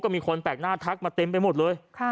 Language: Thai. มีคนแปลกหน้าทักมาเต็มไปหมดเลย